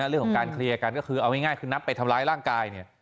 เรื่องของการเคลียร์กันก็คือเอาง่ายคือนัดไปทำร้ายร่างกายเนี่ย